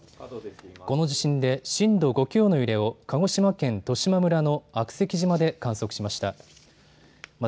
この地震で震度５強の揺れを鹿児島県十島村の悪石島で観測しました。